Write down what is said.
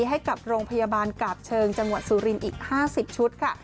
ให้กับโรงพยาบาลกาบเชิงจังหวัดสุรินทร์อีก๕๐ชุดค่ะ